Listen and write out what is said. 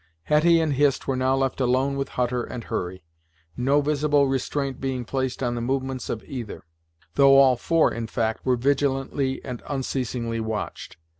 Hetty and Hist were now left alone with Hutter and Hurry, no visible restraint being placed on the movements of either; though all four, in fact, were vigilantly and unceasingly watched.